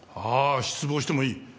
ああ失望してもいい。